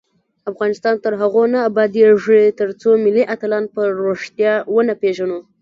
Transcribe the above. افغانستان تر هغو نه ابادیږي، ترڅو ملي اتلان په ریښتیا ونه پیژنو.